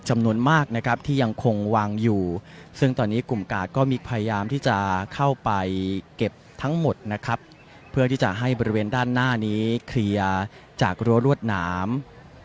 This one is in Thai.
จำนวนมากนะครับที่ยังคงวางอยู่ซึ่งตอนนี้กลุ่มกาดก็มีพยายามที่จะเข้าไปเก็บทั้งหมดนะครับเพื่อที่จะให้บริเวณด้านหน้านี้เคลียร์จากรั้วรวดหนาม